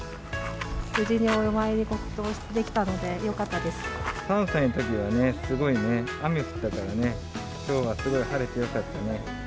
無事にお祝い事できたので、３歳のときはね、すごいね、雨降ったからね、きょうはすごい晴れてよかったね。